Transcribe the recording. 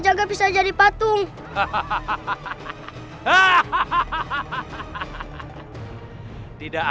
ya gitu gitu